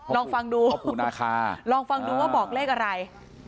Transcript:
ลองฟังดูปูนาคาลองฟังดูว่าบอกเลขอะไร